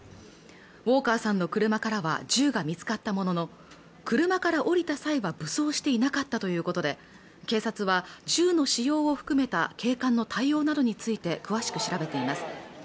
ウォーカーさんの車からは銃が見つかったものの車から降りた際は武装していなかったということで警察は銃の使用を含めた警官の対応などについて詳しく調べています